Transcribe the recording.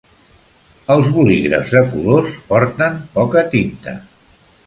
Els boligrafs de colors porten poca tinta